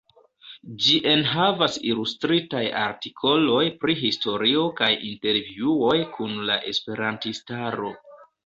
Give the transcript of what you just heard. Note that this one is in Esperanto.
Ĝi enhavas ilustritaj artikoloj pri historio kaj intervjuoj kun la esperantistaro.